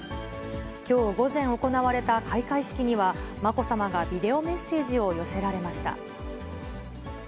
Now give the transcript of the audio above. きょう午前行われた開会式には、まこさまがビデオメッセージを寄せられました。